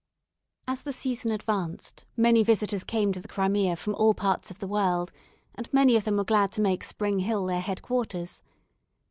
As the season advanced many visitors came to the Crimea from all parts of the world, and many of them were glad to make Spring Hill their head quarters.